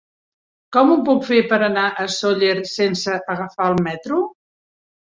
Com ho puc fer per anar a Sóller sense agafar el metro?